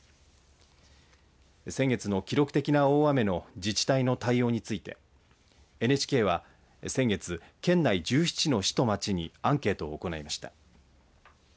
先月の記録的な大雨の自治体の対応についてＮＨＫは先月、県内１７の市と町にアンケートを行いました。